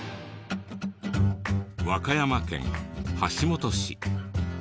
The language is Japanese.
和歌山県橋本市。